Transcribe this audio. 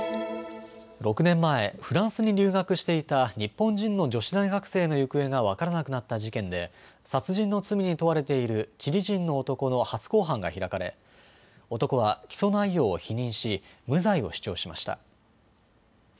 ６年前、フランスに留学していた日本人の女子大学生の行方が分からなくなった事件で殺人の罪に問われているチリ人の男の初公判が開かれ男は起訴内容を否認し無罪を主張しました。